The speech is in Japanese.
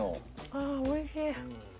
ああおいしい！